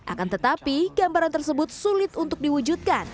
akan tetapi gambaran tersebut sulit untuk diwujudkan